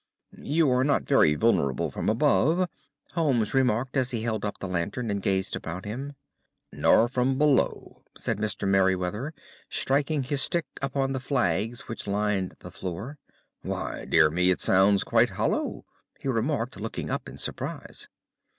"You are not very vulnerable from above," Holmes remarked as he held up the lantern and gazed about him. "Nor from below," said Mr. Merryweather, striking his stick upon the flags which lined the floor. "Why, dear me, it sounds quite hollow!" he remarked, looking up in surprise.